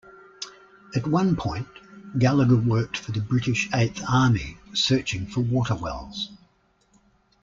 At one point, Gallagher worked for the British Eighth Army searching for water wells.